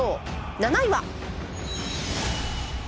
７位は？